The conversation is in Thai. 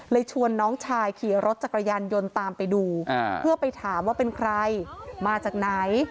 ชวนน้องชายขี่รถจักรยานยนต์ตามไปดูเพื่อไปถามว่าเป็นใครมาจากไหน